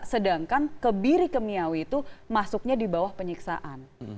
sedangkan kebiri kemiawi itu masuknya di bawah penyiksaan